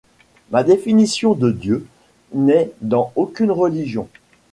Ma définition de Dieu n'est dans aucune religion.